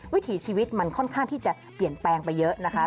วิถีชีวิตมันค่อนข้างที่จะเปลี่ยนแปลงไปเยอะนะคะ